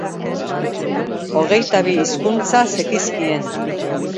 Hogeita bi hizkuntza zekizkien.